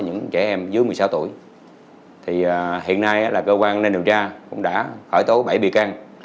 những trẻ em dưới một mươi sáu tuổi thì hiện nay là cơ quan nên điều tra cũng đã khởi tố bảy bị can